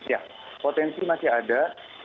ya potensi masih ada